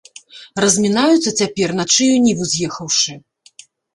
Размінаюцца цяпер на чыю ніву з'ехаўшы.